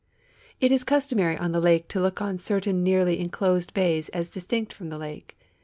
It is customaiy on the lake to look on cer tain nearly inclosed bays as distinct from the lake.